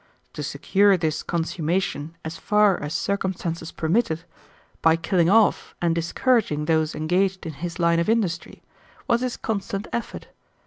To secure this consummation as far as circumstances permitted, by killing off and discouraging those engaged in his line of industry, was his constant effort.